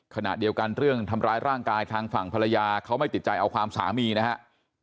ขณะเดียวกันเรื่องทำร้ายร่างกายทางฝั่งภรรยาเขาไม่ติดใจเอาความสามีนะครับ